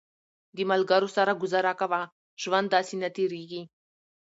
د ملګرو سره ګزاره کوه، ژوند داسې نه تېرېږي